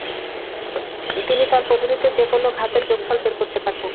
তিনি তাঁর পদ্ধতিতে যেকোনো ঘাতের যোগফল বের করতে পারতেন।